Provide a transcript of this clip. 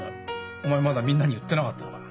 お前まだみんなに言ってなかったのか？